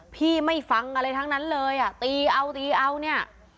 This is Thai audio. พี่ไม่ฟังอะไรทั้งนั้นเลยอ่ะตีเอาตีเอาเนี่ย